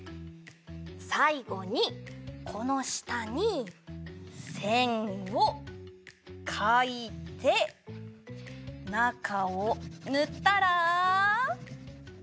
さいごにこのしたにせんをかいてなかをぬったら。